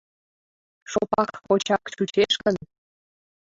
Шопак-кочак чучеш гын